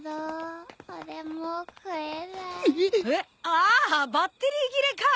ああバッテリー切れか。